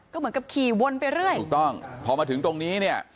ก็เหมือนกับขี่วนไปเรื่อยถูกต้องพอมาถึงตรงนี้เนี่ย